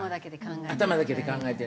頭だけで考えてね。